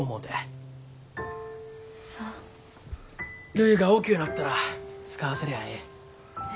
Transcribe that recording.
るいが大きゅうなったら使わせりゃあええ。